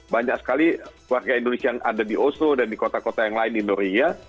banyak sekali warga indonesia yang ada di oso dan di kota kota yang lain di norwegia